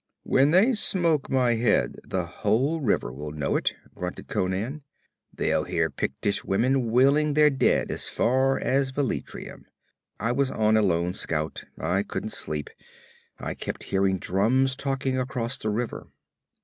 'When they smoke my head the whole river will know it,' grunted Conan. 'They'll hear Pictish women wailing their dead as far as Velitrium I was on a lone scout. I couldn't sleep. I kept hearing drums talking across the river.'